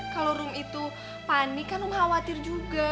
kalau rum itu panik kan rum khawatir juga